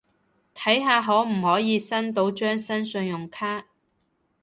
睇下可唔可以申到張新信用卡